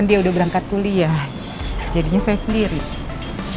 ibu kelihatannya lagi sakit ya